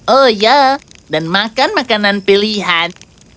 oh ya dan makan makanan pilihan